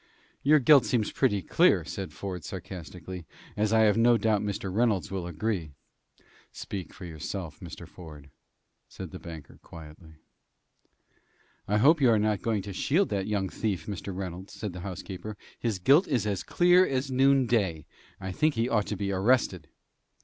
"Your guilt seems pretty clear," said Ford, sarcastically; "as I have no doubt Mr. Reynolds will agree." "Speak for yourself, Mr. Ford," said the banker, quietly. "I hope you are not going to shield that young thief, Mr. Reynolds," said the housekeeper. "His guilt is as clear as noonday. I think he ought to be arrested."